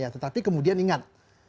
tetapi kemudian ingat